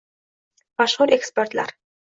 Mashhur ekspertlar